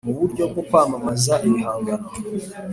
mu buryo bwo kwamamaza ibihangano